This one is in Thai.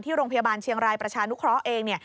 ที่โรงพยาบาลเชียงรายประชานุคร้อเอง